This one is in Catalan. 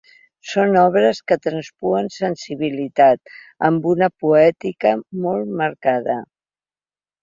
Són obres que traspuen sensibilitat, amb una poètica molt marcada.